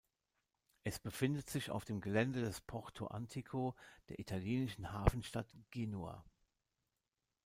Es befindet sich auf dem Gelände des Porto Antico der italienischen Hafenstadt Genua.